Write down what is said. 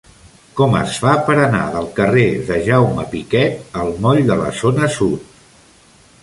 Com es fa per anar del carrer de Jaume Piquet al moll de la Zona Sud?